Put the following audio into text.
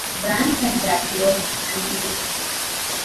Branch at the Battle of Antietam.